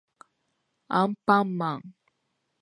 アンパンマン